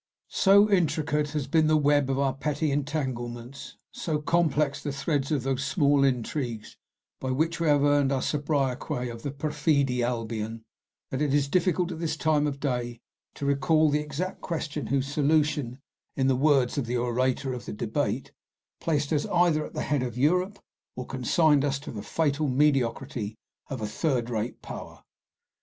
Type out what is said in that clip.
So intricate has been the web of our petty entanglements, so complex the threads of those small intrigues by which we have earned our sobriquet of the "perfide Albion," that it is difficult at this time of day to recall the exact question whose solution, in the words of the orator of the debate, "placed us either at the head of Europe, or consigned to us the fatal mediocrity of a third rate power."